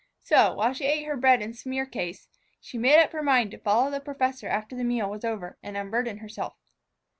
So, while she ate her bread and smear case, she made up her mind to follow the professor after the meal was over and unburden herself.